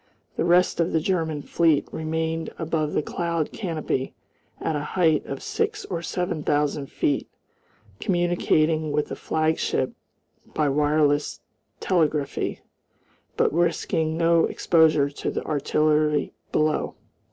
The rest of the German fleet remained above the cloud canopy at a height of six or seven thousand feet, communicating with the flagship by wireless telegraphy, but risking no exposure to the artillery below.